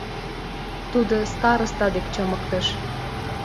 Тудо староста дек чымыктыш.